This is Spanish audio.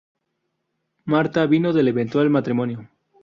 Martha vino del eventual matrimonio.